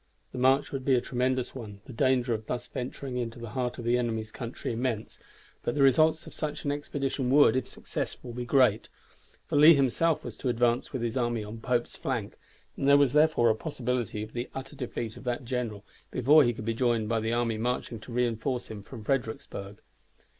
The march would be a tremendous one, the danger of thus venturing into the heart of the enemy's country immense, but the results of such an expedition would, if successful, be great; for Lee himself was to advance with his army on Pope's flank, and there was therefore a possibility of the utter defeat of that general before he could be joined by the army marching to reinforce him from Fredericksburg.